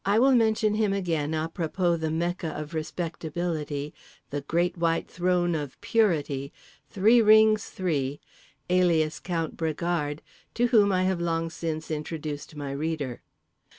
I will mention him again à propos the Mecca of respectability, the Great White Throne of purity, Three rings Three—alias Count Bragard, to whom I have long since introduced my reader.